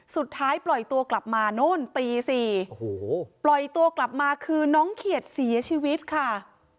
สุดท้ายปล่อยตัวกลับมาโน่นตี๔โอ้โหปล่อยตัวกลับมาคือน้องเขียดเสียชีวิตค่ะ